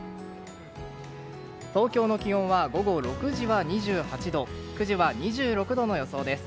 東京の気温は午後６時は２８度９時は２６度の予想です。